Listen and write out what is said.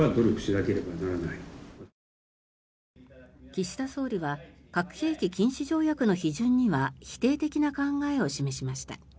岸田総理は核兵器禁止条約の批准には否定的な考えを示しました。